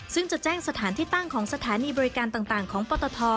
ซึ่งจะแจ้งสถานที่ตั้งของสถานีบริการต่างของปตท